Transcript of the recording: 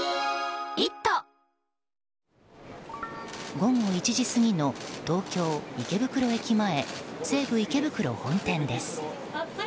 午後１時過ぎの東京・池袋駅前西武池袋本店です。